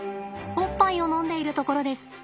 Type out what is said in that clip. おっぱいを飲んでいるところです。